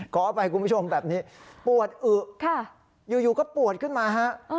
ขออภัยคุณผู้ชมแบบนี้ปวดอึอยู่ก็ปวดขึ้นมาฮะ